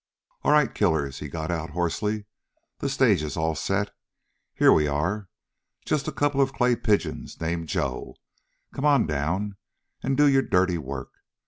"All right, killers!" he got out hoarsely. "The stage is all set. Here we are. Just a couple of clay pigeons named Joe. Come on down and do your dirty work.